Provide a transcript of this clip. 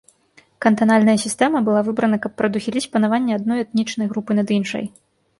Кантанальная сістэма была выбрана, каб прадухіліць панаванне адной этнічнай групы над іншай.